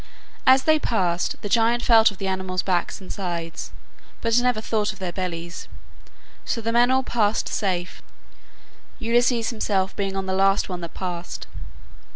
As they passed, the giant felt of the animals' backs and sides, but never thought of their bellies; so the men all passed safe, Ulysses himself being on the last one that passed.